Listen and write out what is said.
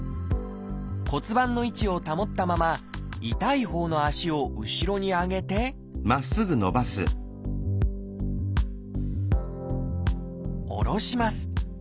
骨盤の位置を保ったまま痛いほうの足を後ろに上げて下ろします。